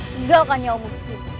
tinggalkan nyawa musuh